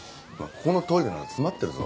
ここのトイレなら詰まってるぞ。